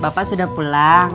bapak sudah pulang